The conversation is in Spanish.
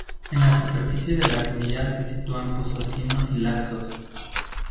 En la superficie de la semilla se sitúan pozos finos y laxos.